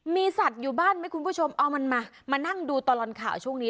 มีสัตว์อยู่บ้านไหมคุณผู้ชมเอามันมามานั่งดูตลอดข่าวช่วงนี้